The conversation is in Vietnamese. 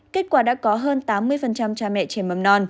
kết quả đã có hơn tám mươi cha mẹ trẻ mầm non